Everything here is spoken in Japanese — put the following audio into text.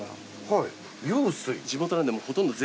はい。